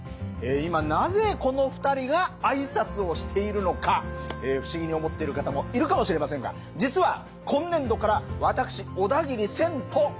今なぜこの２人が挨拶をしているのか不思議に思っている方もいるかもしれませんが実は今年度から私小田切千と。